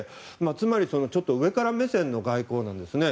つまり、ちょっと上から目線の外交なんですね。